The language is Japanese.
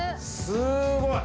すごい。